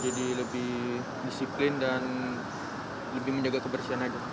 jadi lebih disiplin dan lebih menjaga kebersihan aja